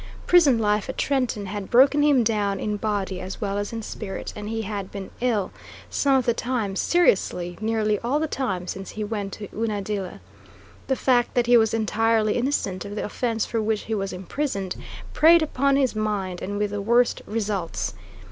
Prison life at Trenton had broken him down in body as well as in spirit, and he had been ill, some of the time seriously, nearly all the time since he went to Unadilla. The fact that he was entirely innocent of the offence for which he was imprisoned, preyed upon his mind, and with the worst results.